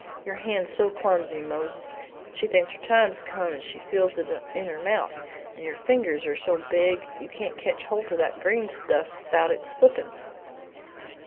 Your hand's so clumsy, Mose, she thinks her time's come when she feels it in her mouth, and your fingers are so big you can't ketch holt o' that green stuff thout its slippin'!"